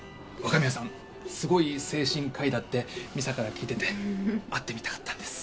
すごい精神科医だって美沙から聞いてて会ってみたかったんです。